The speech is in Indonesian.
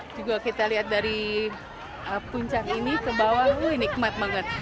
juga kita lihat dari puncak ini ke bawah wuh nikmat banget